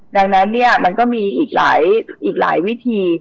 ดังนั้นเนี่ยมันก็มีอีกหลายวิธี